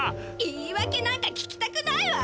いいわけなんか聞きたくないわ！